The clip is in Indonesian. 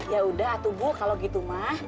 ya udah atuh bu kalau gitu mah